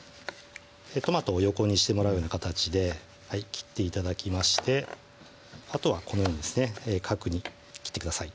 トマトを横にしてもらうような形で切って頂きましてあとはこのようにですね角に切ってください